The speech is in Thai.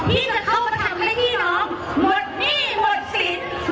ที่จะเข้ามาทำให้พี่น้องหมดหนี้หมดสิน